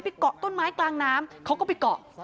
เกาะต้นไม้กลางน้ำเขาก็ไปเกาะ